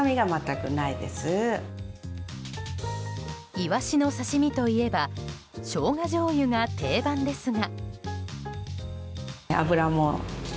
イワシの刺し身といえばショウガじょうゆが定番ですが。